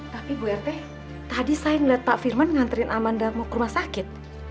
tapi bu rt tadi saya melihat pak firman nganterin amanda mau ke rumah sakit